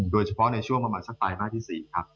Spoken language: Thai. โดยเฉพาะในช่วงประมาณสักไตรมาสที่๔ครับ